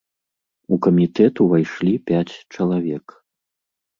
У камітэт увайшлі пяць чалавек.